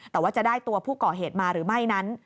แต่ว่าจะได้ตัวผู้ก่อเหตุมาหรือไม่นั้น